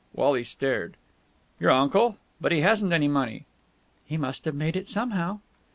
Wally stared. "Your uncle! But he hasn't any money!" "He must have made it somehow."